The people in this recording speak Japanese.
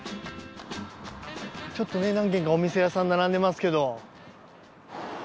ちょっとね何軒かお店屋さん並んでますけど。